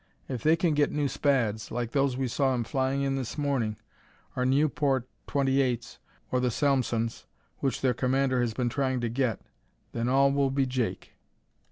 If they can get new Spads, like those we saw 'em flying this morning, or Nieuport 28's, or the Salmsons which their commander has been trying to get, then all will be jake.